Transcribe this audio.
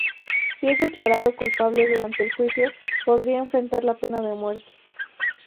Si es declarado culpable durante el juicio, podría enfrentar la pena de muerte.